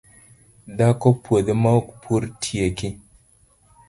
Dhako puodho maok purtieki